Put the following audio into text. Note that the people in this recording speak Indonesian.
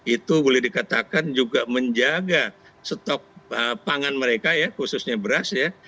itu boleh dikatakan juga menjaga stok pangan mereka ya khususnya beras ya